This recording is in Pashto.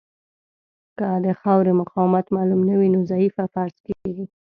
که د خاورې مقاومت معلوم نه وي نو ضعیفه فرض کیږي